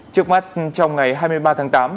trước mắt trong ngày hai mươi ba tháng tám